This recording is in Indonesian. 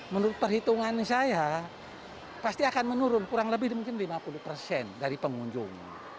menurut perhitungan saya pasti akan menurun kurang lebih mungkin lima puluh persen dari pengunjung